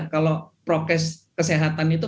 kalau prokes kesehatan itu